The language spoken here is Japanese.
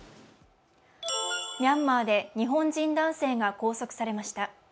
ミャンマーで日本人男性が拘束されました。